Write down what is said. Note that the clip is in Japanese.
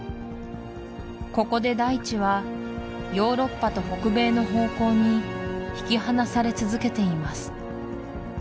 ここで大地はヨーロッパと北米の方向に引き離され続けています